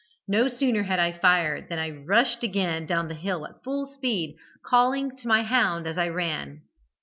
No sooner had I fired than I rushed again down the hill at full speed, calling to my hound as I ran.